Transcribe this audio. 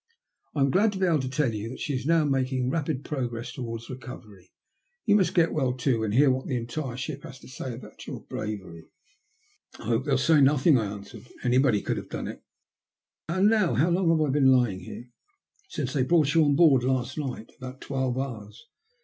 "I am glad to be able to tell you that she is now making rapid progress towards recovery. You must get well too, and hear what the entire ship has to say about your bravery." " I hope they'll say nothing," I answered. " Any body could have done it. And now, how long have I been lying here ?"" Since they brought you on board last night — about twelve hours.